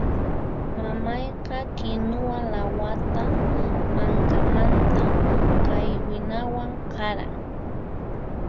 Mamayqa kinuwa lawata mankamanta qaywinawan qaran.